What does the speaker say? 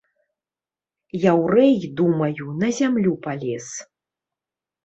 Яўрэй, думаю, на зямлю палез!